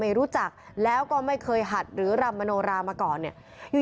ไม่รู้จักแล้วก็ไม่เคยหัดหรือรำมโนรามาก่อนเนี่ยอยู่